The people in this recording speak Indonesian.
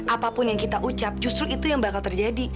apapun yang kita ucap justru itu yang bakal terjadi